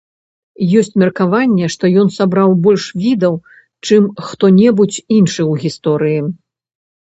Ёсць меркаванне, што ён сабраў больш відаў, чым хто-небудзь іншы ў гісторыі.